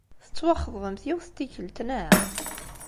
Tettwaxeḍbemt yiwet n tikkelt, naɣ?